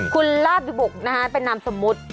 คุณราบบุรบิเป็นน้ำสมมติ